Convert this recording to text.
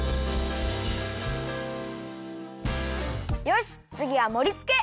よしつぎはもりつけ！